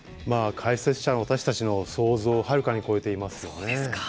解説者の私たちの想像をはるかに超えていますよね。